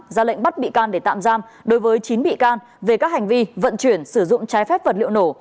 ra lệnh bắt bị can để tạm giam đối với chín bị can về các hành vi vận chuyển sử dụng trái phép vật liệu nổ